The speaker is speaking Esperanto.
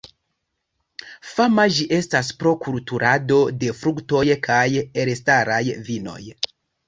Fama ĝi estas pro kulturado de fruktoj kaj elstaraj vinoj.